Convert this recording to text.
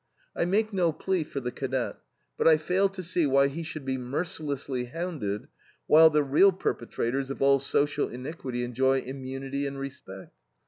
I make no plea for the cadet, but I fail to see why he should be mercilessly hounded, while the real perpetrators of all social iniquity enjoy immunity and respect.